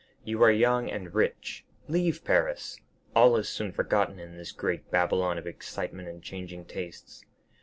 You are young and rich—leave Paris—all is soon forgotten in this great Babylon of excitement and changing tastes.